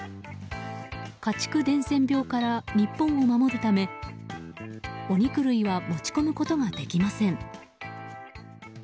家畜伝染病から日本を守るためお肉類は持ち込むことができません。